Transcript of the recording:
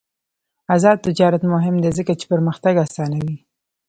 آزاد تجارت مهم دی ځکه چې پرمختګ اسانوي.